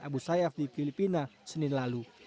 abu sayyaf di filipina senin lalu